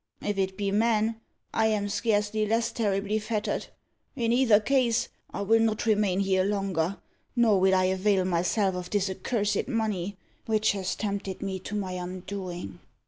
If it be man, I am scarcely less terribly fettered. In either case, I will not remain here longer; nor will I avail myself of this accursed money, which has tempted me to my undoing."